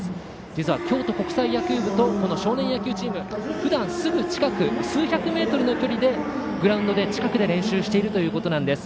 実は京都国際野球部とこの少年野球チームふだん、すぐ近く数百メートルの距離でグラウンド、近くで練習しているということです。